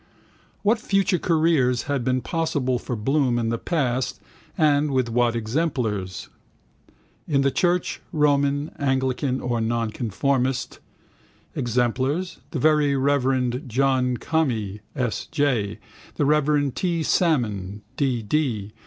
What future careers had been possible for Bloom in the past and with what exemplars? In the church, Roman, Anglican or Nonconformist: exemplars, the very reverend John Conmee S. J., the reverend T. Salmon, D. D.